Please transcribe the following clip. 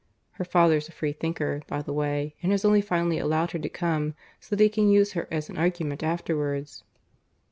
Her father's a freethinker, by the way, and has only finally allowed her to come so that he can use her as an argument afterwards."